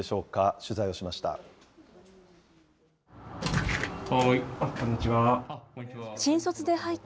取材をしました。